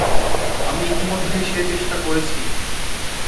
আমি ইতোমধ্যেই সে চেষ্টা করেছি!